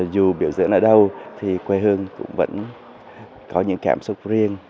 dù biểu diễn ở đâu thì quê hương cũng vẫn có những cảm xúc riêng